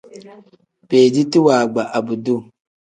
Beediti waagba abduu.